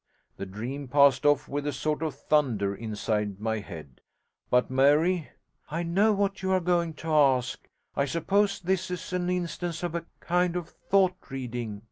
The dream passed off with a sort of thunder inside my head. But, Mary ' 'I know what you are going to ask. I suppose this is an instance of a kind of thought reading.